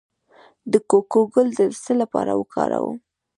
د کوکو ګل د څه لپاره وکاروم؟